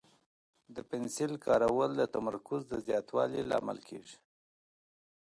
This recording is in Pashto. د پنسل کارول د تمرکز د زیاتوالي لامل کېږي.